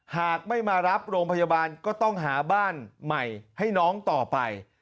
หากไม่มารับโรงพยาบาลก็ต้องหาบ้านใหม่ให้น้องต่อไป